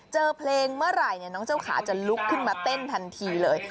เจอเพลงเมื่อไหร่น้องเจ้าขาจะลุกขึ้นมาเต้นทันทีเลย